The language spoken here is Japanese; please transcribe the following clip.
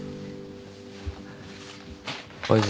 親父。